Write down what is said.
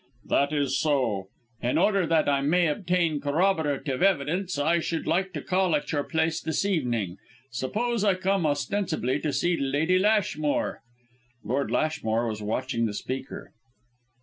"That is so. In order that I may obtain corroborative evidence, I should like to call at your place this evening. Suppose I come ostensibly to see Lady Lashmore?" Lord Lashmore was watching the speaker.